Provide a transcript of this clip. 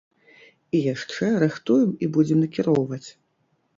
І яшчэ рыхтуем і будзем накіроўваць.